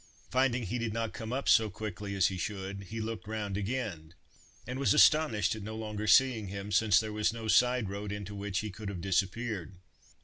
Finding he did not come up so quickly as he should, he looked round again, and was astonished at no longer seeing him, since there was no side road into which he could have disappeared.